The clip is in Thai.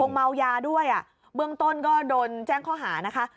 เมายาด้วยอ่ะเบื้องต้นก็โดนแจ้งข้อหานะคะ